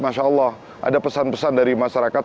masya allah ada pesan pesan dari masyarakat